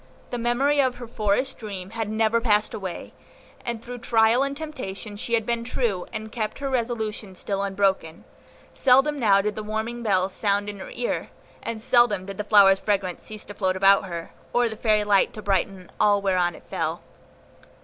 The memory of her forest dream had never passed away, and through trial and temptation she had been true, and kept her resolution still unbroken; seldom now did the warning bell sound in her ear, and seldom did the flower's fragrance cease to float about her, or the fairy light to brighten all whereon it fell.